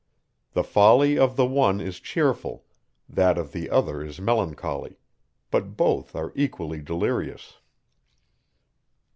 The folly of the one is cheerful, that of the other is melancholy; but both are equally delirious.